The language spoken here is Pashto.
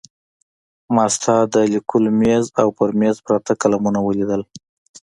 ما ستا د لیکلو مېز او پر مېز پراته قلمونه ولیدل.